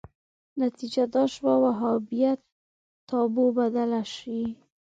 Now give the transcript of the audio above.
نتیجه دا شوه وهابیت تابو بدله شي